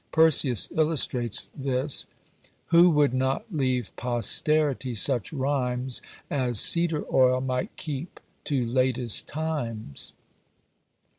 Persius illustrates this: Who would not leave posterity such rhymes As cedar oil might keep to latest times!